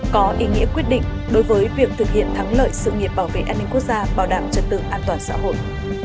có ý nghĩa quyết định đối với việc thực hiện thắng lợi sự nghiệp bảo vệ an ninh quốc gia bảo đảm trật tự an toàn xã hội